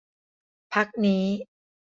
พักนี้